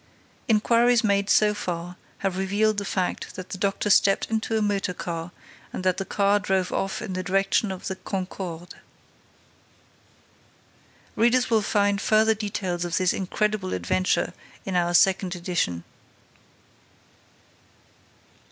Inquiries made so far have revealed the fact that the doctor stepped into a motor car and that the car drove off in the direction of the Concorde. Readers will find further details of this incredible adventure in our second edition.